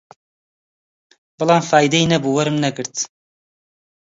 بەڵام فایدەی نەبوو، وەرم نەگرت